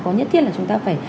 có nhất thiết là chúng ta phải